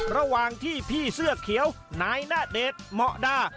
ระหว่างที่พี่เสื้อเขียวนายณเดชน์เหมาะดา